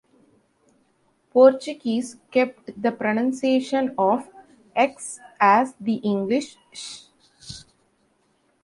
Portuguese kept the pronunciation of "x" as the English "sh".